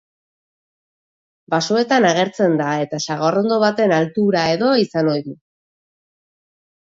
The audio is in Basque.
Basoetan agertzen da eta sagarrondo baten altura-edo izan ohi du.